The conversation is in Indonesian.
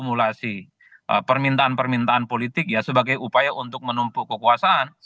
simulasi permintaan permintaan politik ya sebagai upaya untuk menumpuk kekuasaan